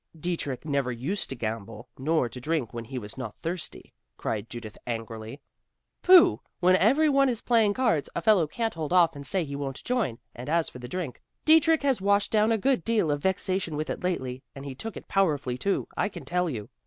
'" "Dietrich never used to gamble; nor to drink when he was not thirsty;" cried Judith angrily. "Pooh! When every one is playing cards, a fellow can't hold off and say he won't join, and as for the drink, Dietrich has washed down a good deal of vexation with it lately, and he took it powerfully too, I can tell you.